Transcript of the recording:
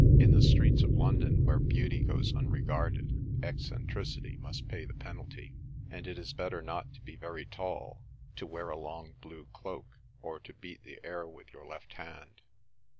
In the streets of London where beauty goes unregarded, eccentricity must pay the penalty, and it is better not to be very tall, to wear a long blue cloak, or to beat the air with your left hand.